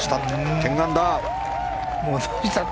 １０アンダー。